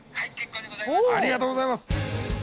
ありがとうございます。